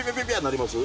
なります？